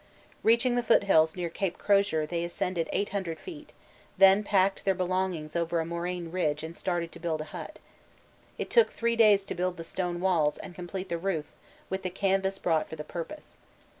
Reaching the foothills near C. Crozier, they ascended 800 feet, then packed their belongings over a moraine ridge and started to build a hut. It took three days to build the stone walls and complete the roof with the canvas brought for the purpose.